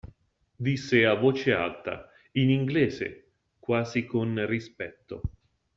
Disse a voce alta, in inglese, quasi con rispetto.